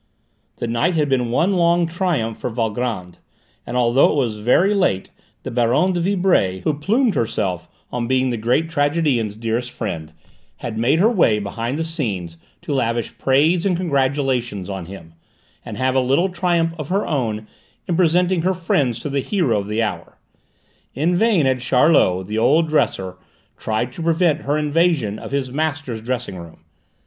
The night had been one long triumph for Valgrand, and although it was very late the Baronne de Vibray, who plumed herself on being the great tragedian's dearest friend, had made her way behind the scenes to lavish praise and congratulations on him, and have a little triumph of her own in presenting her friends to the hero of the hour. In vain had Charlot, the old dresser, tried to prevent her invasion of his master's dressing room.